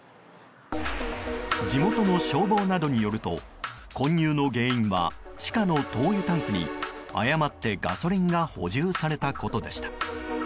地元の消防などによると混入の原因は地下の灯油タンクに誤ってガソリンが補充されたことでした。